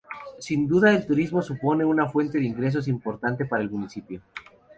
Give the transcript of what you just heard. Sin duda el turismo supone una fuente de ingresos importante para el municipio.